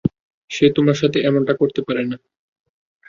সে তোমার সাথে এমনটা করতে পারে না।